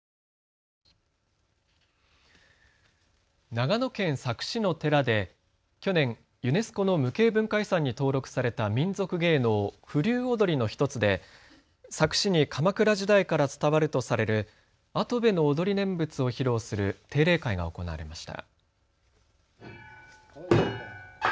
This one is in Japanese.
長野県佐久市の寺で去年、ユネスコの無形文化遺産に登録された民俗芸能、風流踊の１つで佐久市に鎌倉時代から伝わるとされる跡部の踊り念仏を披露する定例会が行われました。